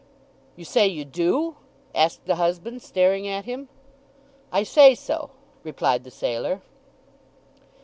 "You say you do?" asked the husband, staring at him. "I say so," replied the sailor.